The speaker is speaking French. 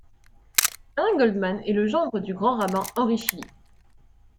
Alain Goldmann est le gendre du Grand Rabbin Henri Schilli.